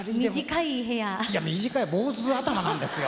いや短い坊主頭なんですよ